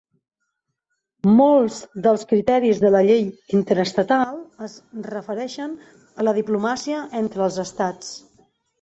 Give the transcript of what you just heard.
Molts dels criteris de la llei interestatal es refereixen a la diplomàcia entre els estats.